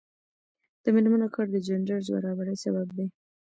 د میرمنو کار د جنډر برابري سبب دی.